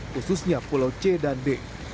khususnya pulau c dan d